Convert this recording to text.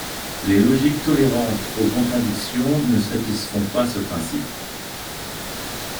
Les logiques tolérantes aux contradictions ne satisfont pas ce principe.